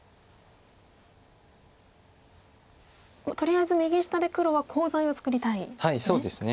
とりあえず右下で黒はコウ材を作りたいんですね。